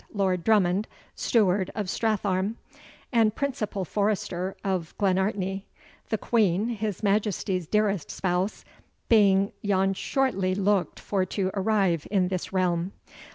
Lord Drummond, stewart of Stratharne, and principal forrester of Clenartney; the Queen, his Majesties dearest spouse, being yn shortlie looked for to arrive in this realm.